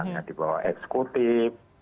kpk nya dibawa eksekutif